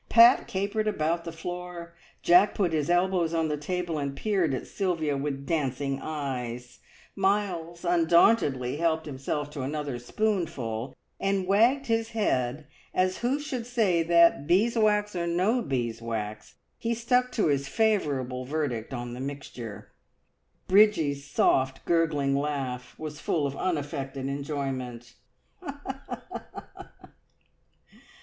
Pat capered about the floor, Jack put his elbows on the table and peered at Sylvia with dancing eyes, Miles undauntedly helped himself to another spoonful, and wagged his head as who should say that, beeswax or no beeswax, he stuck to his favourable verdict on the "mixture." Bridgie's soft, gurgling laugh was full of unaffected enjoyment.